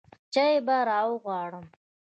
چاى به راغواړم.